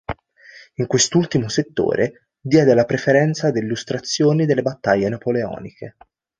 In quest'ultimo settore diede la preferenza ad illustrazioni delle battaglie napoleoniche.